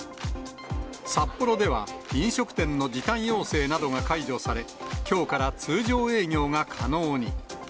札幌では、飲食店の時短要請などが解除され、きょうから通常営業が可能に。